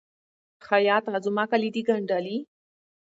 خیاطه! زما کالي د ګنډلي؟